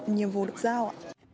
nhiệm vụ được giao